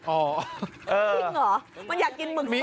อ๋อเออจริงเหรอมันอยากกินหมึกสดเนี่ย